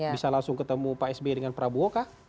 bisa langsung ketemu pak sby dengan prabowo kah